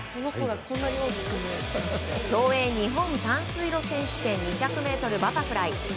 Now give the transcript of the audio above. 競泳日本短水路選手権２００ｍバタフライ。